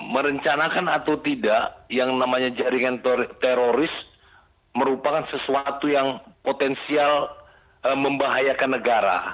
merencanakan atau tidak yang namanya jaringan teroris merupakan sesuatu yang potensial membahayakan negara